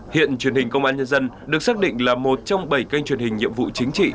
hiện truyền hình công an nhân dân được xác định là một trong bảy kênh truyền hình nhiệm vụ chính trị